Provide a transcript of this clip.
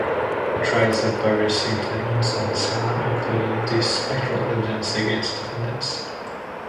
The trials at Bury Saint Edmunds and Salem included this "spectral evidence" against defendants.